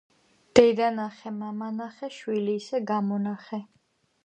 დედა ნახე მამა ნახე შვილი ისე გამონახე